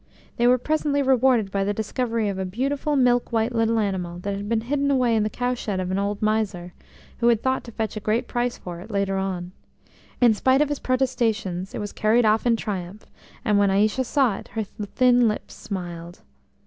They were presently rewarded by the discovery of a beautiful milk white little animal that had been hidden away in the cow shed of an old miser, who had thought to fetch a great price for it later on. In spite of his protestations it was carried off in triumph, and when Aïcha saw it her thin lips smiled.